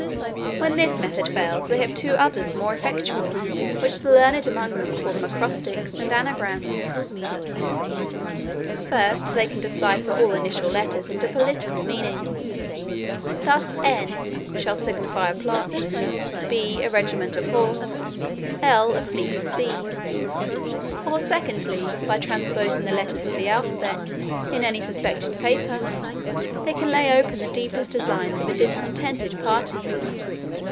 "When this method fails, they have two others more effectual, which the learned among them call acrostics and anagrams. First, they can decipher all initial letters into political meanings. Thus N. shall signify a plot; B. a regiment of horse; L. a fleet at sea; or, secondly, by transposing the letters of the alphabet in any suspected paper, they can lay open the deepest designs of a discontented party.